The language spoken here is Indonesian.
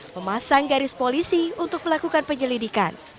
memasang garis polisi untuk melakukan penyelidikan